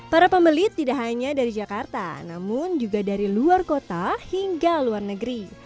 para pembeli tidak hanya dari jakarta namun juga dari luar kota hingga luar negeri